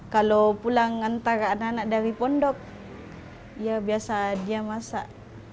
kalau pulang antara anak anak dari pondok ya biasa dia masak